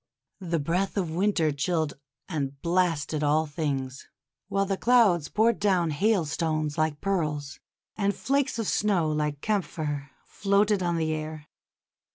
The breath of Winter chilled and blasted all things, while the clouds poured down hailstones like pearls, and flakes of snow like camphor floated on the air.